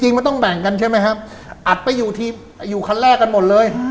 มันต้องแบ่งกันใช่ไหมครับอัดไปอยู่ทีมอยู่คันแรกกันหมดเลย